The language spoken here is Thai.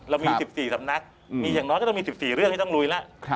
เรามี๑๔สำนักมีอย่างน้อยก็ต้องมี๑๔เรื่องที่ต้องลุยแล้ว